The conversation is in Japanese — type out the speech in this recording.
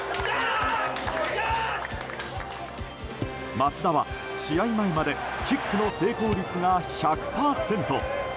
松田は試合前までキックの成功率が１００％。